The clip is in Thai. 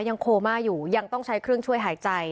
โคม่าอยู่ยังต้องใช้เครื่องช่วยหายใจ